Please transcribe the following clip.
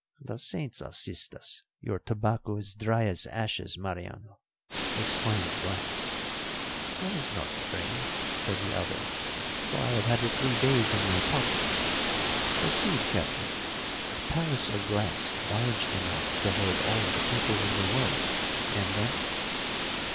"The Saints assist us! Your tobacco is dry as ashes, Mariano," exclaimed Blas. "That is not strange," said the other, "for I have had it three days in my pocket. Proceed, Captain. A palace of glass large enough to hold all the people in the world. And then?"